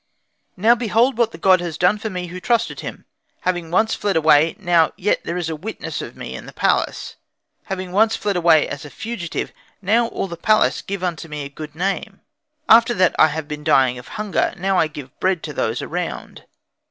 _ "Now behold what the god has done for me who trusted in him. Having once fled away, yet now there is a witness of me in the palace. Once having fled away, as a fugitive, now all in the palace give unto me a good name. After that I had been dying of hunger, now I give bread to those around.